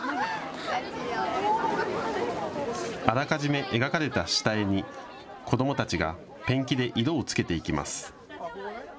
あらかじめ描かれた下絵に子どもたちがペンキで色をつけていきます。